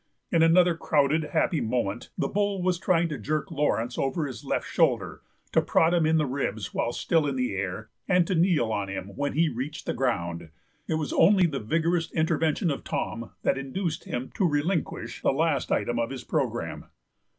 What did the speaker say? In another crowded happy moment the bull was trying to jerk Laurence over his left shoulder, to prod him in the ribs while still in the air, and to kneel on him when he reached the ground. It was only the vigorous intervention of Tom that induced him to relinquish the last item of his programme.